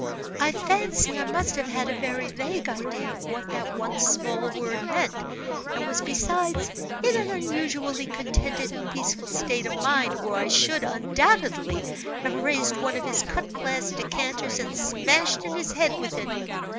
"I fancy I must have had a very vague idea of what that one small word meant, and was besides in an unusually contented and peaceful state of mind, or I should, undoubtedly, have raised one of his cut glass decanters and smashed in his head with it.